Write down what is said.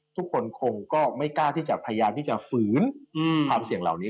ทุกคนคงก็ไม่กล้าที่จะพยายามที่จะฝืนความเสี่ยงเหล่านี้